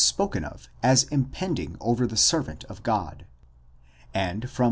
spoken of as impending over the servant of God, and from y.